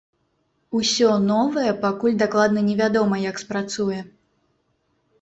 Усё новае пакуль дакладна не вядома, як спрацуе.